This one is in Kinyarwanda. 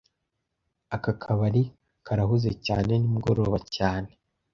Aka kabari karahuze cyane nimugoroba cyane